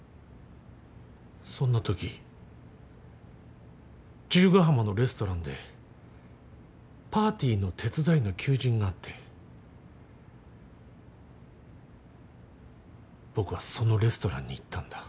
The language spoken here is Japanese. そんなとき十ヶ浜のレストランでパーティーの手伝いの求人があって僕はそのレストランに行ったんだ。